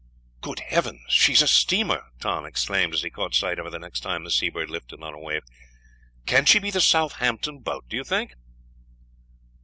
"Good Heavens! she is a steamer," Tom exclaimed, as he caught sight of her the next time the Seabird lifted on a wave. "Can she be the Southampton boat, do you think?"